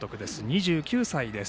２９歳です。